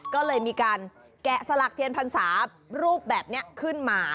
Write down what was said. ก็เลยมีการแกะสลักเทียนพรรษารูปแบบนี้ขึ้นมา